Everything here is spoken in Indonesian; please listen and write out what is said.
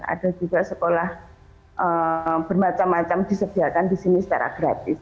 ada juga sekolah bermacam macam disediakan di sini secara gratis